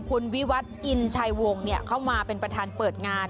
คุณวิวัฒน์อินชัยวงศ์เข้ามาเป็นประธานเปิดงาน